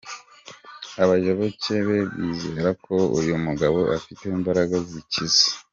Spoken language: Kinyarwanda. Abayoboke be bizera ko uyu mugabo afite imbaraga zikiza.